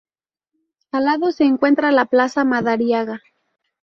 Al lado se encuentra la plaza Madariaga.